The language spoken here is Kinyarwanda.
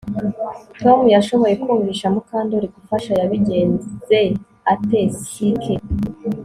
Tom yashoboye kumvisha Mukandoli gufasha Yabigenze ate CK